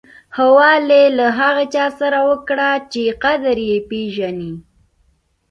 ښه والی له هغه چا سره وکړه چې قدر یې پیژني.